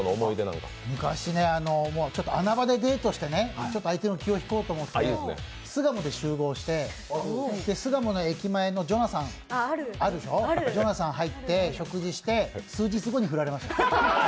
昔穴場でデートして相手の気を引こうとして巣鴨で集合して巣鴨の駅前のジョナサン、あるでしょ、ジョナサンに入って食事して、数日後に振られました。